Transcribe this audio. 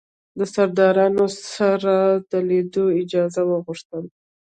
د سردارانو سره د لیدلو اجازه وغوښتل.